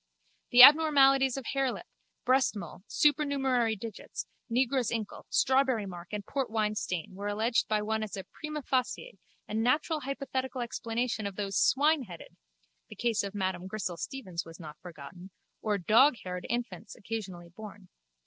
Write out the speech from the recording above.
The abnormalities of harelip, breastmole, supernumerary digits, negro's inkle, strawberry mark and portwine stain were alleged by one as a prima facie and natural hypothetical explanation of those swineheaded (the case of Madame Grissel Steevens was not forgotten) or doghaired infants occasionally born.